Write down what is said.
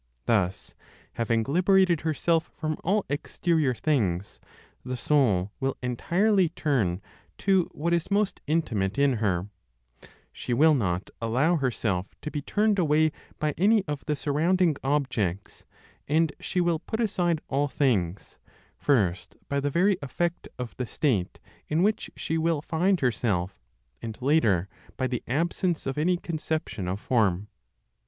Thus, having liberated herself from all exterior things, the soul will entirely turn to what is most intimate in her; she will not allow herself to be turned away by any of the surrounding objects and she will put aside all things, first by the very effect of the state in which she will find herself, and later by the absence of any conception of form.